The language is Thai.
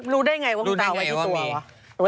รู้ได้ไงว่าคุณตาไว้ที่ตัว